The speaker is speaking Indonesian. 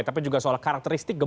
tapi juga soal karakteristiknya